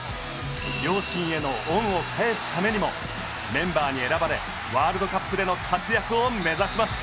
両親への恩を返すためにもメンバーに選ばれワールドカップでの活躍を目指します。